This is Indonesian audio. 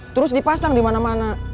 terus dipasang dimana mana